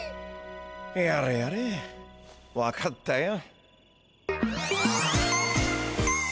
やれやれ分かったよ。